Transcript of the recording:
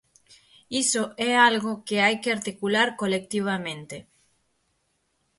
Iso é algo que hai que articular colectivamente.